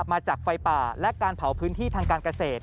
มาจากไฟป่าและการเผาพื้นที่ทางการเกษตร